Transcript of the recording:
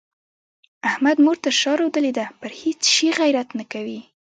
احمد مور تر شا رودلې ده؛ پر هيڅ شي غيرت نه کوي.